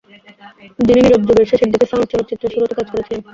যিনি নীরব যুগের শেষের দিকে সাউন্ড চলচ্চিত্রের শুরুতে কাজ করেছিলেন।